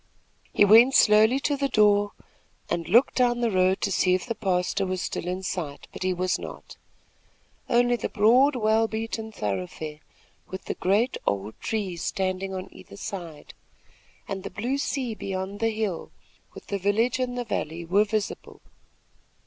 He went slowly to the door and looked down the road to see if the pastor was still in sight; but he was not. Only the broad, well beaten thoroughfare, with the great, old trees standing on either side, and the blue sea beyond the hill, with the village in the valley were visible.